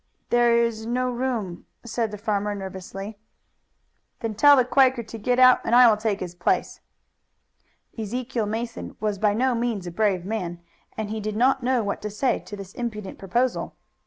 "There is no room," said the farmer nervously. "Then tell the Quaker to get out and I will take his place." Ezekiel Mason was by no means a brave man and he did not know what to say to this impudent proposal.